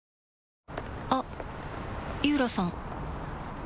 あっ井浦さん